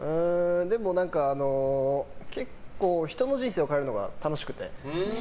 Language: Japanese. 結構、人の人生を変えるのが楽しくて。